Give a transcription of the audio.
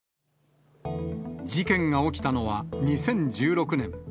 事件が起きたのは２０１６年。